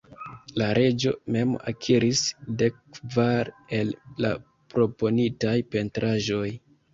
La reĝo mem akiris dekkvar el la proponitaj pentraĵoj.